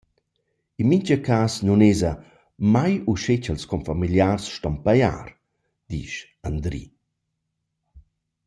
In mincha cas nun esa «mai uschè cha’ls confamiliars ston pajar», disch Andry.